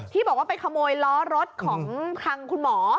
ที่บอกไปขโมยล้อรถของพระคุณหมอ